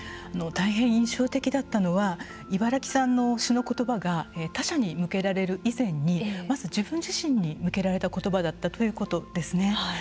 大変印象的だったのは茨木さんの詩の言葉が他者に向けられる以前にまず自分自身に向けられた言葉だったということですね。